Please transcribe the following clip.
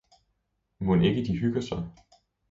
Mon ikke de hygger sig.